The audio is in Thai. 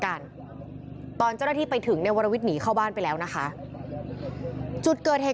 ไอ้ไอ้ไอ้ไอ้ไอ้ไอ้ไอ้ไอ้ไอ้ไอ้ไอ้ไอ้